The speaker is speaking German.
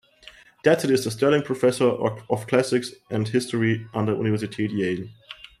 Derzeit ist er "Sterling Professor of Classics and History" an der Universität Yale.